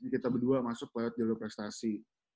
kita berdua masuk ke jalur prestasi